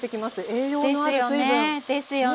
栄養のある水分。ですよねですよね。